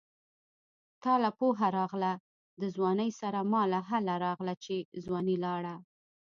تاله پوهه راغله د ځوانۍ سره ماله هله راغله چې ځواني لاړه